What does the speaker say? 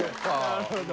なるほど。